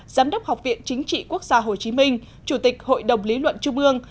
giám đốc học viện chính trị quốc gia hồ chí minh chủ tịch hội đồng lý luận trung ương